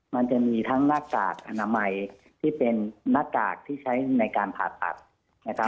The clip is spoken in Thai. มันจะมีทั้งหน้ากากอนามัยที่เป็นหน้ากากที่ใช้ในการผ่าตัดนะครับ